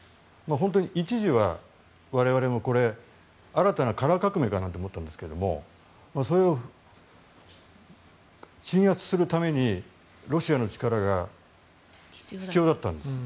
一時は我々も新たなカラー革命かなと思ったんですけどそれを鎮圧するためにロシアの力が必要だったんです。